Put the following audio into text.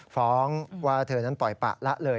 ฟ้องว่าเธอนั้นปล่อยปะละเลย